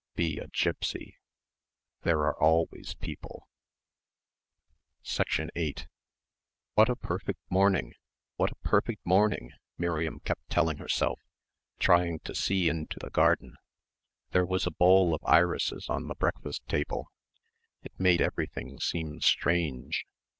... be a gipsy.... There are always people.... 8 "What a perfect morning ... what a perfect morning," Miriam kept telling herself, trying to see into the garden. There was a bowl of irises on the breakfast table it made everything seem strange.